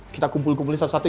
kita kumpul kumpulin satu satu